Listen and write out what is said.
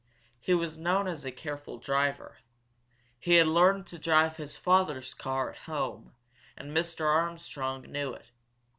He was known as a careful driver. He had learned to drive his father's car at home, and Mr. Armstrong knew it.